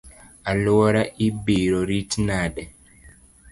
Aluora ibiro rit nade?